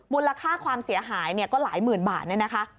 มูลค่าความเสียหายก็หลายหมื่นบาทเนี่ยนะคะ